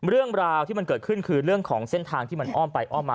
เรื่องราวที่มันเกิดขึ้นคือเรื่องของเส้นทางที่มันอ้อมไปอ้อมมา